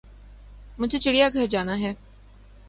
مجھے چڑیا گھر جانا ہے